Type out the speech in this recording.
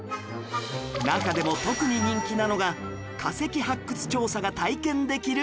中でも特に人気なのが化石発掘調査が体験できるコーナー